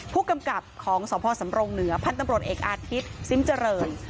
ผู้กำกับของสพสำรงเหนือพันธุ์ตำรวจเอกอาทิตย์ซิมเจริญ